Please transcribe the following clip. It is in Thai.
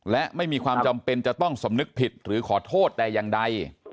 และไม่มีความจำเป็นจะต้องสำนึกผิดหรือขอโทษแต่อย่างใด